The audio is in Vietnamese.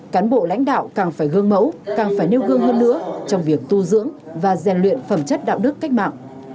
cán bộ lãnh đạo càng phải gương mẫu càng phải nêu gương hơn nữa trong việc tu dưỡng và rèn luyện phẩm chất đạo đức cách mạng